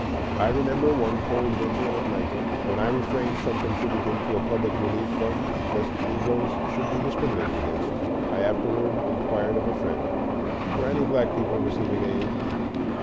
I remember, one cold winter, in Atlanta, when I refrained from contributing to a public relief fund lest Negroes should be discriminated against, I afterward inquired of a friend: "Were any black people receiving aid?"